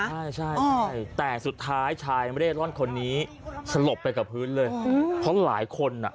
ใช่ใช่แต่สุดท้ายชายไม่ได้ร่อนคนนี้สลบไปกับพื้นเลยเพราะหลายคนอ่ะ